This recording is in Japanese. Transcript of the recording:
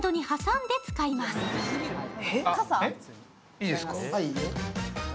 いいですか？